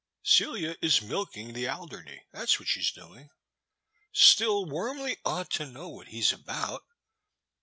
Celia is milking the Aldemey, that 's what she 's doing. Still Wormly ought to know what he 's about.